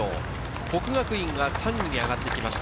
國學院が３位に上がってきました。